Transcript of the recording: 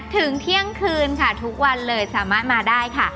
เที่ยงคืนค่ะทุกวันเลยสามารถมาได้ค่ะ